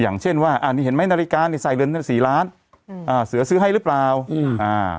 อย่างเช่นว่าอ่านี่เห็นไหมรายการใส่เรือน๔ล้านอ่าเสือซื้อให้หรือเปล่าอืมอ่า